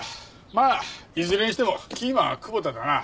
まあいずれにしてもキーマンは久保田だな。